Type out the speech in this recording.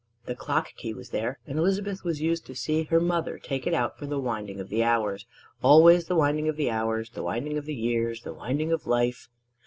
The clock key was there, and Elizabeth was used to see her mother take it out for the winding of the hours always the winding of the hours, the winding of the years, the winding of life.